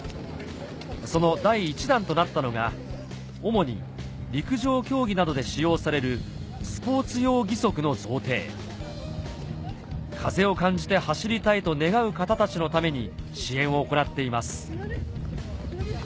その第１弾となったのが主に陸上競技などで使用されるスポーツ用義足の贈呈風を感じて走りたいと願う方たちのために支援を行っています